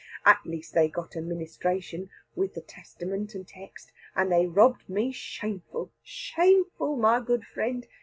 At last they got a ministration[#] with the testament and text, and they robbed me shameful, shameful, my good friend.